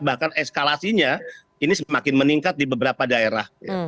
bahkan eskalasinya ini semakin meningkat di beberapa daerah